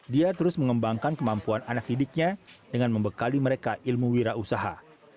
dia terus mengembangkan kemampuan anak didiknya dengan membekali mereka ilmu wira usaha